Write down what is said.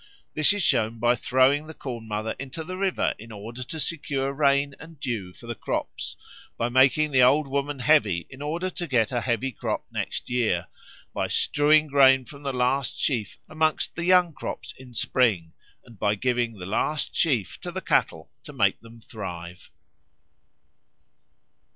This is shown by throwing the Corn mother into the river in order to secure rain and dew for the crops; by making the Old Woman heavy in order to get a heavy crop next year; by strewing grain from the last sheaf amongst the young crops in spring; and by giving the last sheaf to the cattle to make them thrive.